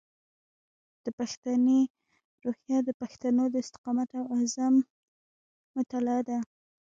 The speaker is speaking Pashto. د پښتني روحیه د پښتنو د استقامت او عزم مطالعه ده.